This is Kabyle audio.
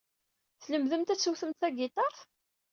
Tlemdemt ad tewtemt tagiṭart?